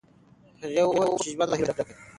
هغې وویل چې ژوند لا هم له هیلو ډک دی.